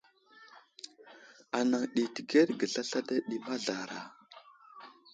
Anaŋ ɗi təgerge zlazla ɗi mazlara.